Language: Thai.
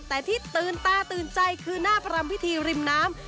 แต่ที่ตื่นตาตื่นใจคือหน้าประรำพิธีริมน้ำ